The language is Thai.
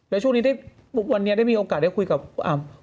แล้วช่วงนี้ได้มีโอกาสได้คุยกับคุณหมอโอ้ย๕คน